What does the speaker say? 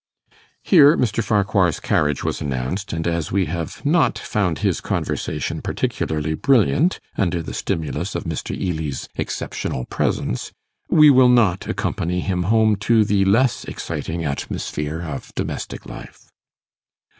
Here Mr. Farquhar's carriage was announced, and as we have not found his conversation particularly brilliant under the stimulus of Mr. Ely's exceptional presence, we will not accompany him home to the less exciting atmosphere of domestic life.